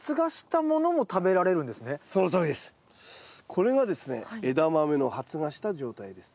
これがですねエダマメの発芽した状態です。